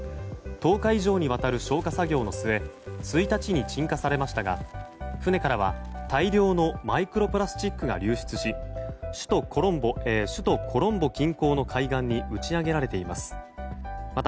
１０日以上にわたる消火作業の末１日に鎮火されましたが船からは大量のマイクロプラスチックが流出し首都コロンボ近郊の海岸に打ち揚げられています。